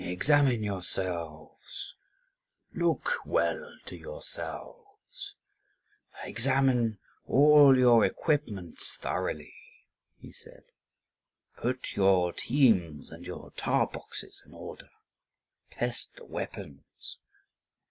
"Examine yourselves, look well to yourselves; examine all your equipments thoroughly," he said; "put your teams and your tar boxes (3) in order; test your weapons.